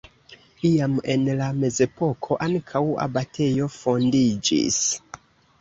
Iam en la mezepoko ankaŭ abatejo fondiĝis.